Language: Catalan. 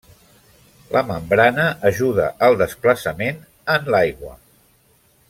La membrana ajuda al desplaçament en l'aigua.